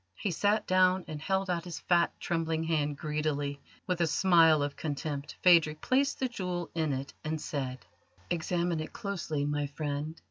He sat down, and held out his fat, trembling hand greedily. With a smile of contempt Phadrig placed the jewel in it, and said: "Examine it closely, my friend.